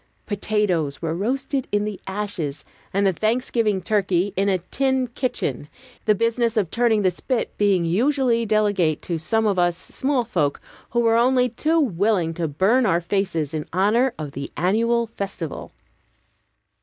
Potatoes were roasted in the ashes, and the Thanksgiving turkey in a "tin kitchen," the business of turning the spit being usually delegate to some of us, small folk, who were only too willing to burn our faces in honor of the annual festival.